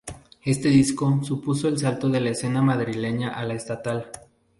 Este disco supuso el salto de la escena madrileña a la estatal.